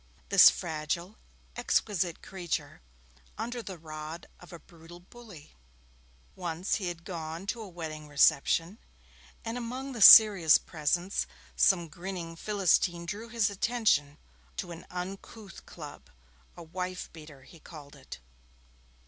This fragile, exquisite creature under the rod of a brutal bully! Once he had gone to a wedding reception, and among the serious presents some grinning Philistine drew his attention to an uncouth club 'a wife beater' he called it.